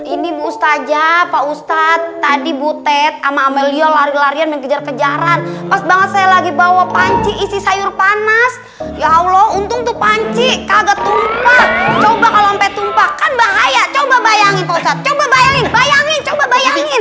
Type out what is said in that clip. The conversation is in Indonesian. ini bu ustadz aja pak ustadz tadi bu ted sama amelia lari larian dan kejar kejaran pas banget saya lagi bawa panci isi sayur panas ya allah untung tuh panci kagak tumpah coba kalo ampe tumpah kan bahaya coba bayangin pak ustadz coba bayangin bayangin